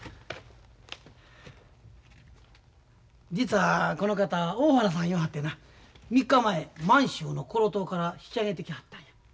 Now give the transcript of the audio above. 実はこの方大原さんいわはってな３日前満州のコロ島から引き揚げてきはったんや。